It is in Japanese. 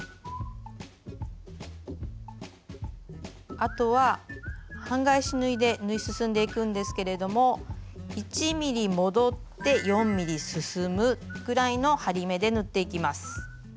あとは半返し縫いで縫い進んでいくんですけれども１ｍｍ戻って４ｍｍ進むぐらいの針目で縫っていきます。